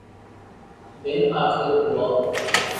بالآخر ہوا۔